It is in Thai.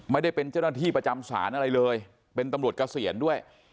ไม่ได้เป็นเจ้าหน้าที่ประจำศาลอะไรเลยเป็นตำรวจเกษียณด้วย